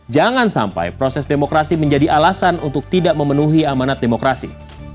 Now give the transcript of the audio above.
jangan sampai proses demokrasi menjadi alasan untuk tidak memenuhi amanat demokrasi